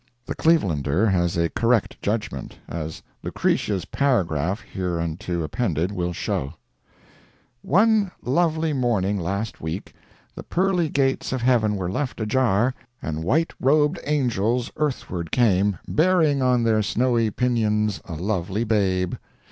'" The Clevelander has a correct judgment, as "Lucretia's" paragraph, hereunto appended, will show: One lovely morning last week, the pearly gates of heaven were left ajar, and white robed angels earthward came, bearing on their snowy pinions a lovely babe.